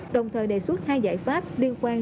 đồng thời đề xuất hai giải pháp liên quan